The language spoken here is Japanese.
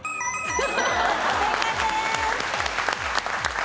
正解です。